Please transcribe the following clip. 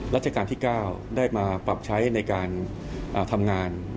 ราชการที่๙ได้มาปรับใช้ในการทำงาน